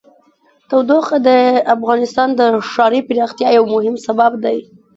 تودوخه د افغانستان د ښاري پراختیا یو مهم سبب دی.